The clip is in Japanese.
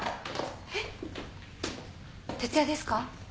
えっ徹夜ですか？